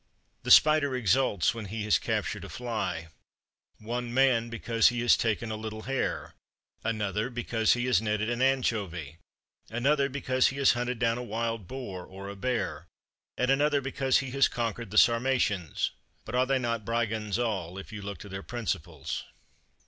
10. The spider exults when he has captured a fly; one man because he has taken a little hare, another because he has netted an anchovy, another because he has hunted down a wild boar or a bear; and another because he has conquered the Sarmatians. But are they not brigands all, if you look to their principles.